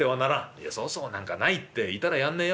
「いや粗相なんかないっていたらやんねえよ